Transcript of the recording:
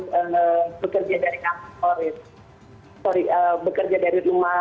kami harus bekerja dari kampus sorry bekerja dari rumah